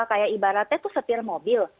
kayak ibaratnya tuh setir mobil